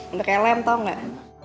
udah kayak lem tau gak